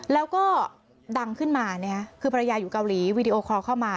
แล้วก็ดังขึ้นมาคือภรรยาอยู่เกาหลีวีดีโอคอลเข้ามา